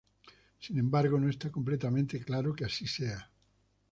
Sin embargo, no está completamente claro que así sea.